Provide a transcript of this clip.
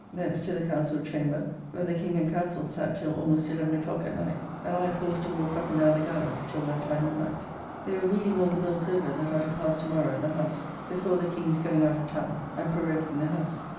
Thence to the Councell chamber; where the King and Councell sat till almost eleven o'clock at night, and I forced to walk up and down the gallerys till that time of night. They were reading all the bills over that are to pass to morrow at the House, before the King's going out of town and proroguing the House.